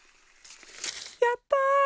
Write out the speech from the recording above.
やった！